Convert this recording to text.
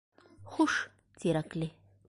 Хуш, Тирәкле!